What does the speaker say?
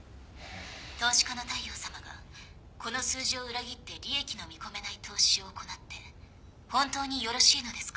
投資家の大陽さまがこの数字を裏切って利益の見込めない投資を行って本当によろしいのですか？